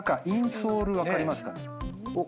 インソール分かりますかね？